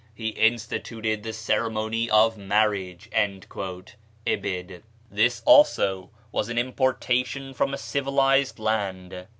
"He instituted the ceremony of marriage." (Ibid.) This also was an importation from a civilized land.